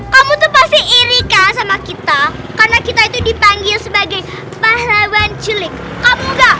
kamu tuh pasti iri kan sama kita karena kita itu dipanggil sebagai pahlawan culik kamu enggak